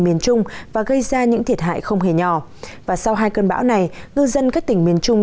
miền trung và gây ra những thiệt hại không hề nhỏ và sau hai cơn bão này ngư dân các tỉnh miền trung